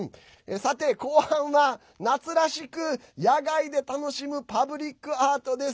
さて後半は夏らしく屋外で楽しむパブリックアートです。